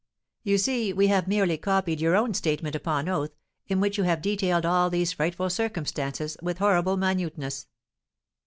You see we have merely copied your own statement upon oath, in which you have detailed all these frightful circumstances with horrible minuteness!"